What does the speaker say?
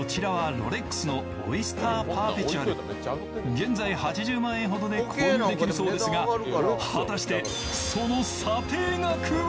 現在８０万円ほどで購入できるそうですが、果たして、その査定額は